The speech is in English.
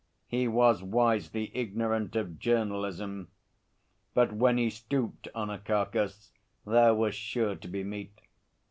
He was wisely ignorant of journalism; but when he stooped on a carcase there was sure to be meat.